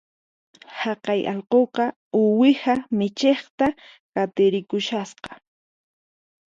Haqay allquqa uwiha michiqta qatirikushasqa